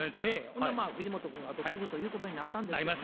ほんで藤本君が後継ぐということになったんですがね